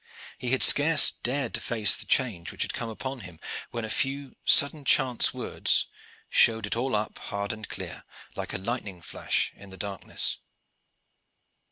He had scarce dared to face the change which had come upon him, when a few sudden chance words showed it all up hard and clear, like a lightning flash in the darkness.